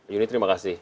yuni terima kasih